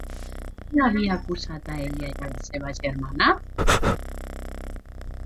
Qui havia acusat a ella i a la seva germana?